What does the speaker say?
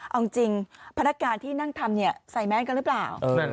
เอาจริงพนักงานที่นั่งทำใส่แมสกันหรือเปล่า